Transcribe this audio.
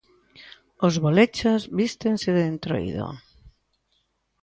Os Bolechas vístense de Entroido.